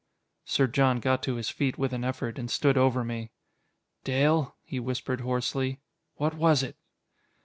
Sir John got to his feet with an effort, and stood over me. "Dale," he whispered hoarsely, "what was it?"